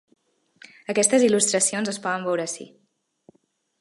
Aquestes il·lustracions es poden veure ací.